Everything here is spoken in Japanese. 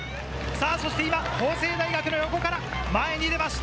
今、法政大学の横から前に出ました！